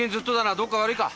どっか悪いか？